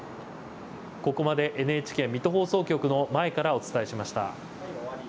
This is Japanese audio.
ここまでＮＨＫ水戸放送局の前からお伝えしました。